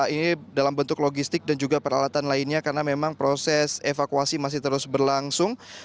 ini dalam bentuk logistik dan juga peralatan lainnya karena memang proses evakuasi masih terus berlangsung